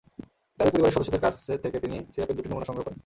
তাদের পরিবারের সদস্যদের কাছ থেকে তিনি সিরাপের দুটি নমুনা সংগ্রহ করেন।